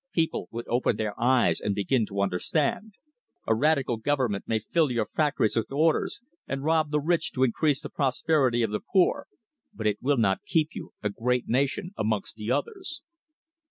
People would open their eyes and begin to understand. A Radical Government may fill your factories with orders and rob the rich to increase the prosperity of the poor, but it will not keep you a great nation amongst the others."